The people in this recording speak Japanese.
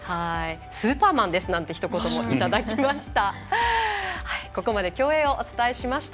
スーパーマンですなんてひと言もいただきました。